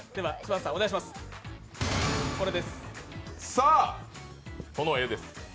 さあ、この絵です。